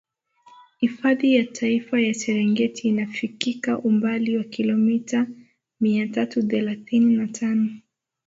Hifadhi ya Taifa ya Serengeti inafikika umbali wa kilomita Mia tatu thelathini na tano